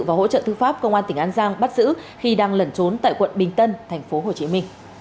và hỗ trợ tư pháp công an tỉnh an giang bắt giữ khi đang lẩn trốn tại quận bình tân tp hcm